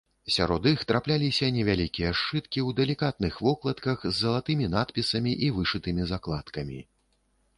Сярод іх трапляліся невялікія сшыткі ў далікатных вокладках з залатымі надпісамі і вышытымі закладкамі.